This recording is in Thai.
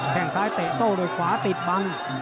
แค่งซ้ายเตะโต้ด้วยขวาติดบัง